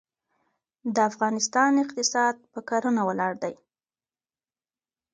د افغانستان اقتصاد په کرنه ولاړ دی.